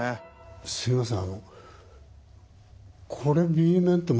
すいません